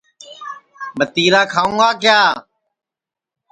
متِرا کھاؤں گا کِیا